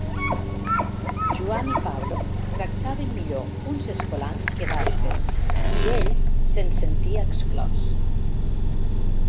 Joan i Pablo tractaven millor uns escolans que d'altres, i ell se'n sentia exclòs.